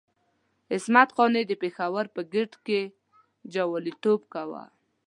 عصمت قانع د پېښور په ګېټ کې جواليتوب کاوه.